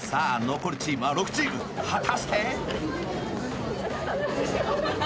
残るチームは６チーム果たして？